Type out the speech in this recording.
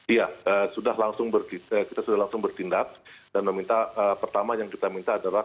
iya kita sudah langsung bertindak dan meminta pertama yang kita minta adalah